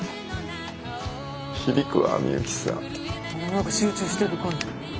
なんか集中してる感じ。